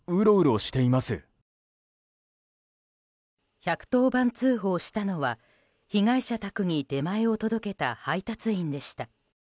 １１０番通報したのは被害者宅に出前を届けた配達員でした。